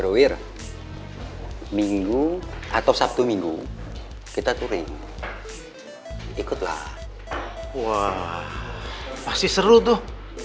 broir minggu atau sabtu minggu kita turing ikutlah wow masih seru tuh